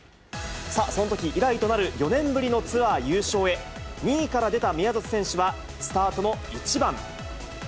そのとき以来となる、４年ぶりのツアー優勝へ、２位から出た宮里選手は、スタートの１番。